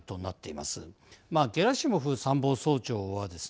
まあゲラシモフ参謀総長はですね